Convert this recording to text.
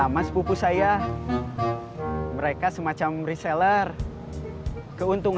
mau makan siang